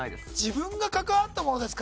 自分が関わったものですから。